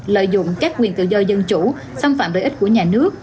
lợi dụng các quyền tự do dân chủ xâm phạm lợi ích của nhà nước